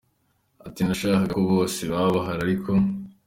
Ati, Nashakaga ko bose baba bahari ariko.